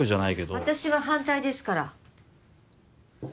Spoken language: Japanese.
あたしは反対ですから。